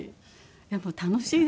やっぱり楽しいですね